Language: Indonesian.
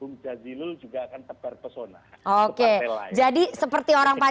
gus jazil juga akan terperpesona